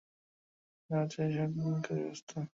এটি ছিল সৌদ পরিবার দ্বারা শাসিত রাজতন্ত্র ধাচের সরকার ব্যবস্থা।